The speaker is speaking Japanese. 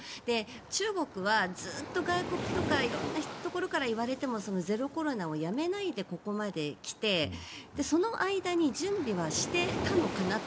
中国はずっと外国とか色んなところから言われてもゼロコロナをやめないでここまで来てその間に準備はしてたのかなと。